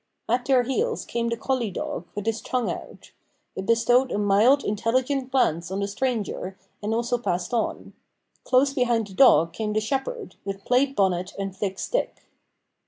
At their heels came the collie dog, with his tongue out. It bestowed a mild, intelligent glance on the stranger, and also passed on. Close behind the dog came the shepherd, with plaid bonnet and thick stick.